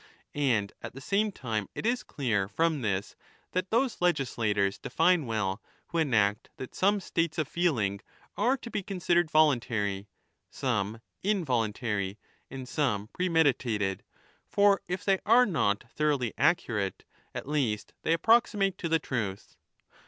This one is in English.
And at the same time it is clear from this that those legislators define well who enact that some states of feeling are to be considered voluntary, some involuntary, and some premeditated ; for if they are not thoroughly accurate, at least they approximate to the truth.